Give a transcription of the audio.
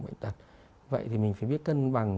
bệnh tật vậy thì mình phải biết cân bằng